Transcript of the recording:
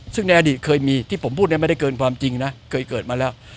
ซึ่งในอดีตเคยมีที่ผมพูดเนี่ยไม่ได้เกินความจริงนะเคยเกิดมาแล้ว